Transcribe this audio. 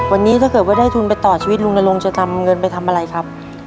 วันนี้ถ้าเกิดว่าได้ทุนไปต่อชีวิตลุงนรงค์จะทำเงินไปทำอะไรครับ